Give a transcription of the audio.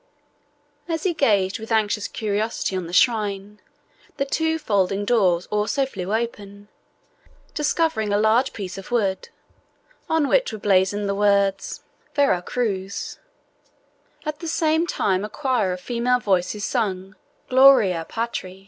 As he gazed with anxious curiosity on the shrine, the two folding doors also flew open, discovering a large piece of wood, on which were blazoned the words, VERA CRUX; at the same time a choir of female voices sung GLORIA PATRI.